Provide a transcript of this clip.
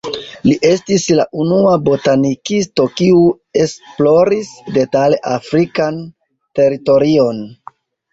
Li estis la unua botanikisto, kiu esploris detale afrikan teritorion.